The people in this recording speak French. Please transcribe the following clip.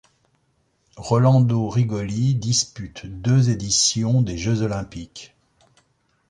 Rolando Rigoli dispute deux éditions des Jeux olympiques.